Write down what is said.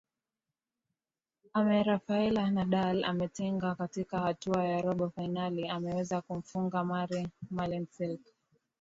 ame raphaela nadal ametinga katika hatua ya robo fainali ameweza kumfunga mari merlin silk